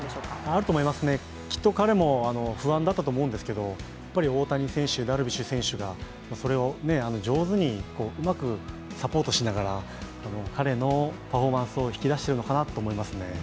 あると思いますね、きっと彼も不安だったと思うんですけど大谷選手、ダルビッシュ選手がそれを上手にうまくサポートしながら彼のパフォーマンスを引き出しているのかなと思いますね。